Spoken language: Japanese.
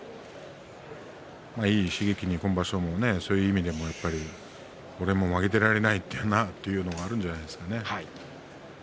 まあ、いい刺激に今場所もそういう意味でも俺も負けていられないなってのがあるんじゃないですかね。